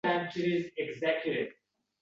Do’stlarim ham mendan umidlarini bir-bir uzishdi.